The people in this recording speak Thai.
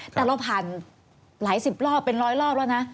แต่เราผ่านหลายสิบรอบเป็นร้อยรอบแล้วนะ